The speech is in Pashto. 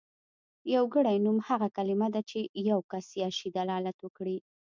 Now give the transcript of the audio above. يوګړی نوم هغه کلمه ده چې په يو کس يا شي دلالت وکړي.